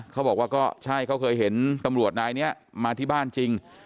เขาบอกว่าก็ใช่เขาเคยเห็นตำรวจนายนี้มาที่บ้านจริง